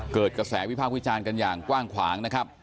เกิดกระแสวิพากษ์วิจารณ์กันอย่างกว้างขวางนะครับ